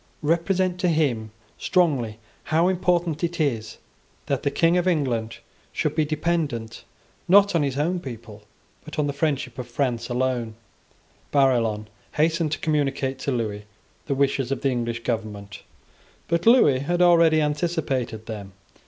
Represent to him strongly how important it is that the King of England should be dependent, not on his own people, but on the friendship of France alone." Barillon hastened to communicate to Lewis the wishes of the English government; but Lewis had already anticipated them.